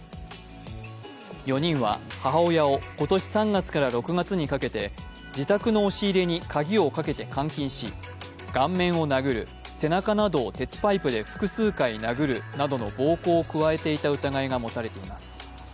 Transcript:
４人は母親を今年３月から６月にかけて自宅の押し入れに鍵をかけて監禁し、顔面を殴る、背中などを鉄パイプで複数回殴るなどの暴行を加えていた疑いが持たれています。